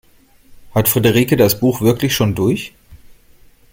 Hat Friederike das Buch wirklich schon durch?